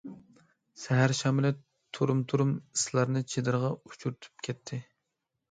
سەھەر شامىلى تۈرۈم- تۈرۈم ئىسلارنى چېدىرغا ئۇچۇرتۇپ كەتتى.